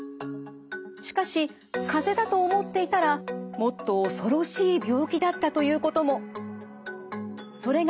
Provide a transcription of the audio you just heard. しかしかぜだと思っていたらもっと恐ろしい病気だったということも。